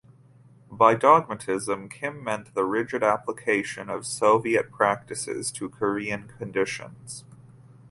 By "dogmatism" Kim meant the rigid application of Soviet practices to Korean conditions.